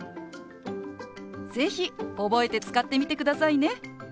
是非覚えて使ってみてくださいね。